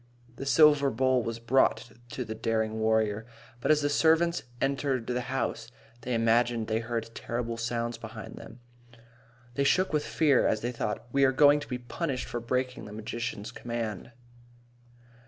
The silver bowl was brought to the daring warrior. But as the servants entered the house, they imagined they heard terrible sounds about them. They shook with fear as they thought, "We are going to be punished for breaking the magician's command."